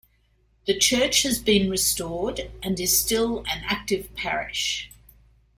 The church has been restored and is still an active parish.